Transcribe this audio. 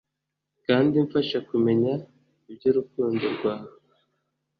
Kandi mfasha kumenya iby urukundo rwawe